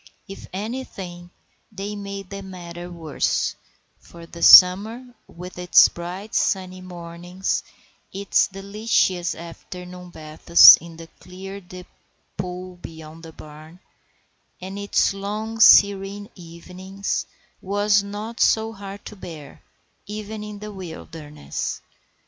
If anything, they made the matter worse; for the summer, with its bright sunny mornings, its delicious afternoon baths in the clear deep pool beyond the barn, and its long serene evenings, was not so hard to bear, even in the wilderness.